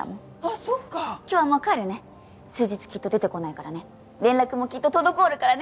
そっか今日はもう帰るね数日きっと出てこないからね連絡もきっと滞るからね！